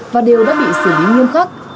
và đều đã bị xử lý nghiêm khắc